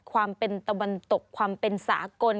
ความเป็นตะวันตกความเป็นสากล